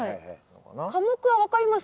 科目は分かります？